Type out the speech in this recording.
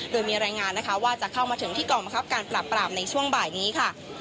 โดยมีรายงานนะคะว่าจะเข้ามาถึงที่กองบังคับการปราบปรามในช่วงบ่ายนี้ค่ะ